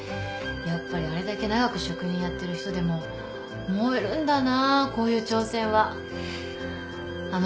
やっぱりあれだけ長く職人やってる人でも燃えるんだなこういう挑戦は。ははっ。